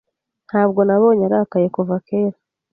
Ntabwo nabonye arakaye kuva kera.